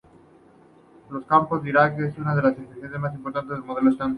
Los campos de Dirac son un ingrediente importante del Modelo Estándar.